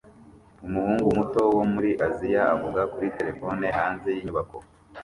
Umuhungu muto wo muri Aziya avuga kuri terefone hanze yinyubako